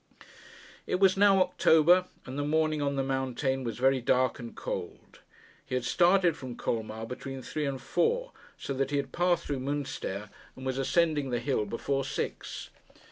It was now October, and the morning on the mountain was very dark and cold. He had started from Colmar between three and four, so that he had passed through Munster, and was ascending the hill before six.